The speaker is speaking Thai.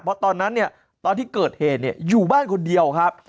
เพราะตอนนั้นเนี่ยตอนที่เกิดเหตุเนี่ยอยู่บ้านคนเดียวครับ